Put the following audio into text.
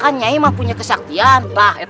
kan nyai mah punya kesaktian